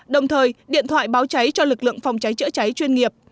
đồng thời điện thoại báo cháy cho lực lượng phòng cháy chữa cháy chuyên nghiệp